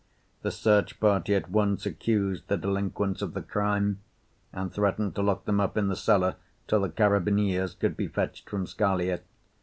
The search party at once accused the delinquents of the crime, and threatened to lock them up in the cellar till the carabineers could be fetched from Scalea.